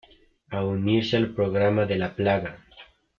A unirse al programa de la Plaga.